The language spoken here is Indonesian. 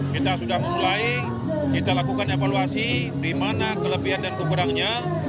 kita sudah memulai kita lakukan evaluasi di mana kelebihan dan kekurangnya